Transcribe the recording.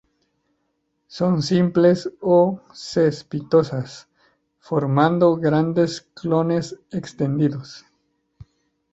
Son simples o cespitosas, formando grandes clones extendidos.